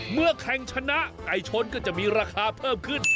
เมื่อแข่งชนะไก่ชนก็จะมีราคาเพิ่มขึ้น